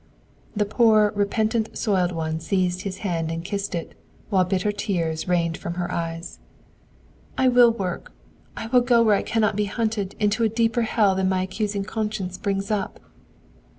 The poor, repentant, soiled one seized his hand and kissed it, while bitter tears rained from her eyes. "I will work; I will go where I cannot be hunted into a deeper hell than my accusing conscience brings up!"